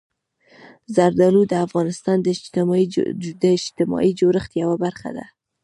زردالو د افغانستان د اجتماعي جوړښت یوه برخه ده.